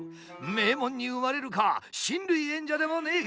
名門に生まれるか親類縁者でもねえ